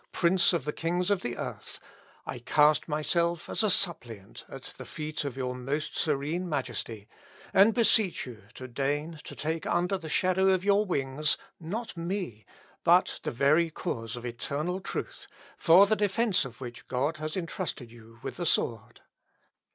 prince of the kings of the earth, I cast myself as a suppliant at the feet of your most serene majesty, and beseech you to deign to take under the shadow of your wings, not me, but the very cause of eternal truth, for the defence of which God has entrusted you with the sword."